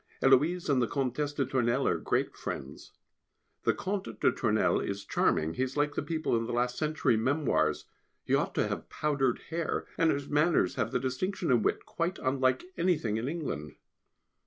Héloise and the Comtesse de Tournelle are great friends. The Comte de Tournelle is charming, he is like the people in the last century Memoirs, he ought to have powdered hair, and his manners have a distinction and a wit quite unlike anything in England.